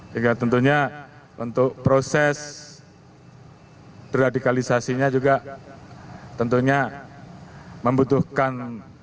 sehingga tentunya untuk proses deradikalisasinya juga tentunya membutuhkan